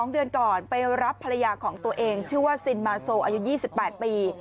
๒เดือนก่อนไปรับภรรยาของตัวเองชื่อว่าซินมาโซอายุ๒๘ปี